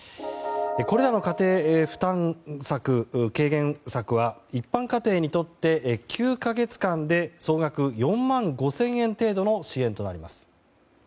これらの家庭負担軽減策は一般家庭にとって９か月間で総額４万５０００円程度の支援となります。